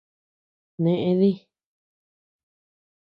Neʼe dí.